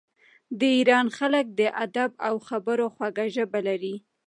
د ایران خلک د ادب او خبرو خوږه ژبه لري.